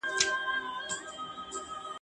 خدای د عقل په تحفه دی نازولی ..